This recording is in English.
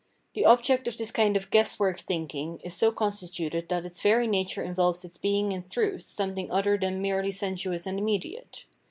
The object of this kind of guesswork thinking is so constituted that its very nature involves its being in truth something other than merely sensuous and immediate.